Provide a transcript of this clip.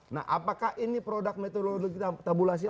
nah apakah ini produk metodologi tabulasi